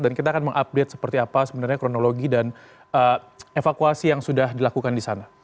dan kita akan mengupdate seperti apa sebenarnya kronologi dan evakuasi yang sudah dilakukan di sana